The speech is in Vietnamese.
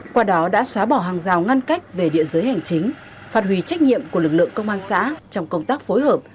qua đó đã xóa bỏ hàng rào ngăn cách về địa giới hành chính phạt hủy trách nhiệm của lực lượng công an xã trong công tác phối hợp